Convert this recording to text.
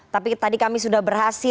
tapi tadi kami sudah berhasil